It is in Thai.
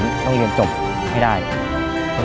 เราจะไม่ยอมให้หลานเราอด